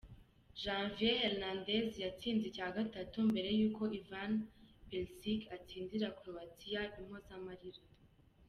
Javier Hernández yatsinze icya gatatu mbere y’uko Ivan Perišić atsindira Croatia impozamarira.